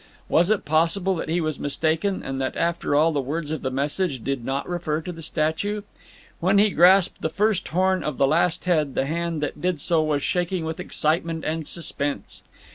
Was it possible that he was mistaken, and that, after all, the words of the message did not refer to the statue? When he grasped the first horn of the last head, the hand that did so was shaking with excitement and suspense.